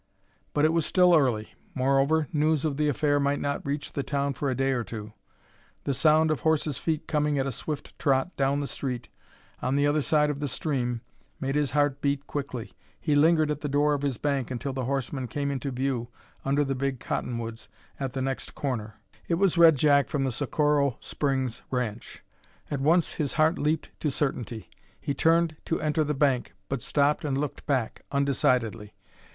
But it was still early; moreover, news of the affair might not reach the town for a day or two. The sound of horses' feet coming at a swift trot down the street on the other side of the stream made his heart beat quickly. He lingered at the door of his bank until the horseman came into view under the big cottonwoods at the next corner. It was Red Jack from the Socorro Springs ranch. At once his heart leaped to certainty. He turned to enter the bank, but stopped and looked back, undecidedly.